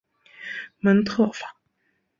蒙特法。